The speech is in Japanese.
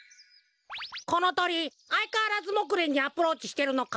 このとりあいかわらずモクレンにアプローチしてるのか？